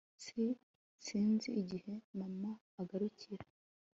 S Sinzi igihe mama azagarukira